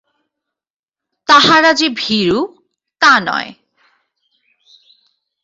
তাহারা যে ভীরু, তা নয়।